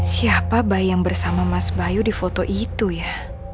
siapa bayang bersama mas bayu di foto itu ya